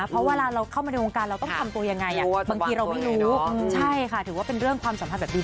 จะบอกว่าเด็กที่เข้ามาในวงการบรรเทิงนะคะ